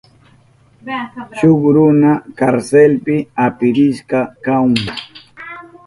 Shuk runa karselpi apirishka kahun.